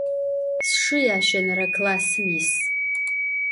Sşşı yaşenere klassım yis.